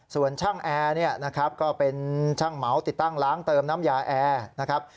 ส่วนช่างแอร์เนี่ยนะครับก็เป็นช่างเหมาติดตั้งล้างเติมน้ำยาแอร์นะครับ